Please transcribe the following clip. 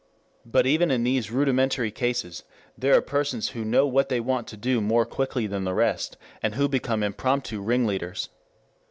But even in these rudimentary cases there are persons who know what they want to do more quickly than the rest, and who become impromptu ringleaders.